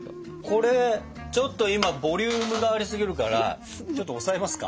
これちょっと今ボリュームがありすぎるからちょっと押さえますか？